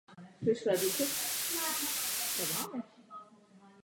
To je skutečným přínosem této iniciativy.